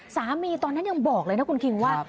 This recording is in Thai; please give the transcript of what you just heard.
ตอนนั้นยังบอกเลยนะคุณคิงว่า